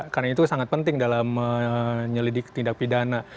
karena itu sangat penting dalam menyelidik tindak pidana